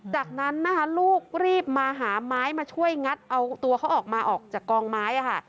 จากนั้นนะคะลูกรีบมาหาไม้มาช่วยงัดเอาตัวเขาออกมาออกจากกองไม้ค่ะ